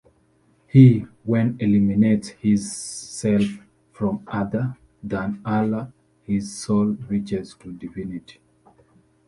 He, when, eliminates his-self from other than Allah, his soul reaches to divinity.